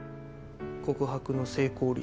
告白の成功率。